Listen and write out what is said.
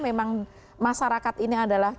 memang masyarakat ini adalah